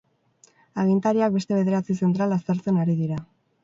Agintariak beste bederatzi zentral aztertzen ari dira.